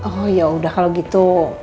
oh yaudah kalo gitu